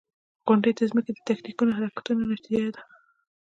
• غونډۍ د ځمکې د تکتونیکي حرکتونو نتیجه ده.